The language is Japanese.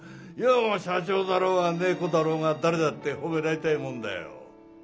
社長だろうが猫だろうが誰だって褒められたいもんだよ。